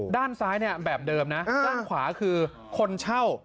ด้านซ้ายเนี่ยแบบเดิมนะด้านขวาคือคนเช่า